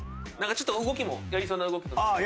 なんかちょっと動きもやりそうな動き。